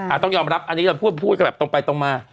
ต้องยอมรับอันนี้เราพูดพูดกันแบบตรงไปตรงมา